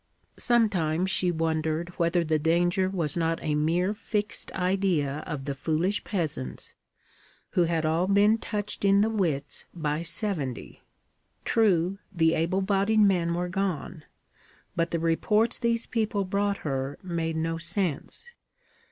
Sometimes she wondered whether the danger was not a mere fixed idea of the foolish peasants who had all been touched in the wits by '70. True, the able bodied men were gone, but the reports these people brought her made no sense.